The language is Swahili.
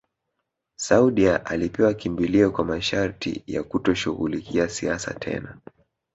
Saudia alipewa kimbilio kwa masharti ya kutoshughulikia siasa tena